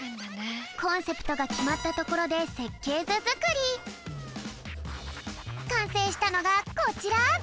コンセプトがきまったところでかんせいしたのがこちら！